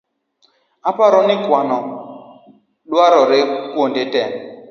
Aparo ni kuano dwarore kuonde tee